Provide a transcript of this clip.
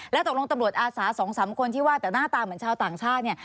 แล้วตกลงตำรวจอาสา๒๓คนที่ว่าแต่หน้าตาเหมือนชาวต่างชาติ